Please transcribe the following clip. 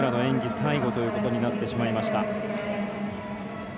最後ということになってしまいました。